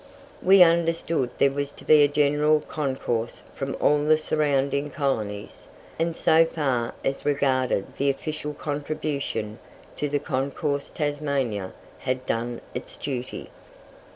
We understood there was to be a general concourse from all the surrounding colonies, and so far as regarded the official contribution to the concourse Tasmania had done its duty.